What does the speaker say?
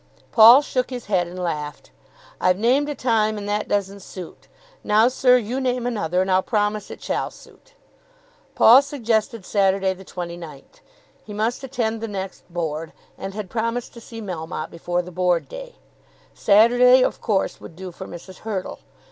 Paul shook his head and laughed. "I've named a time and that doesn't suit. Now, sir, you name another, and I'll promise it shall suit." Paul suggested Saturday, the 29th. He must attend the next Board, and had promised to see Melmotte before the Board day. Saturday of course would do for Mrs. Hurtle.